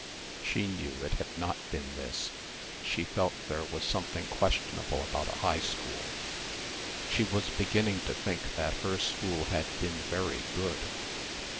She knew it had not been this. She felt there was something questionable about a high school. She was beginning to think that her school had been very good.